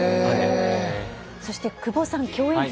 そして久保さん競泳陣